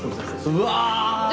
うわ！